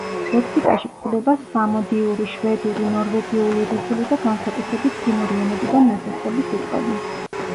ლექსიკაში გვხვდება სამოდიური, შვედური, ნორვეგიული, რუსული და განსაკუთრებით ფინური ენებიდან ნასესხები სიტყვები.